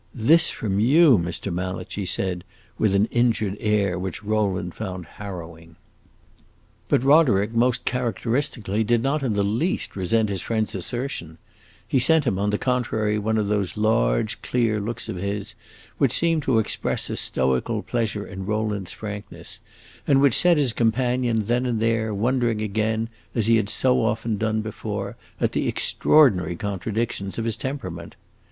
"This from you, Mr. Mallet!" she said with an injured air which Rowland found harrowing. But Roderick, most characteristically, did not in the least resent his friend's assertion; he sent him, on the contrary, one of those large, clear looks of his, which seemed to express a stoical pleasure in Rowland's frankness, and which set his companion, then and there, wondering again, as he had so often done before, at the extraordinary contradictions of his temperament.